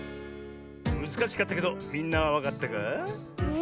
むずかしかったけどみんなはわかったかあ？